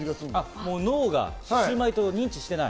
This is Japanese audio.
脳がシウマイと認知してない。